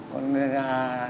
còn đây là